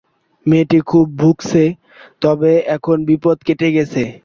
মেয়েটি খুব ভুগছে, তবে এখন বিপদ কেটে গেছে।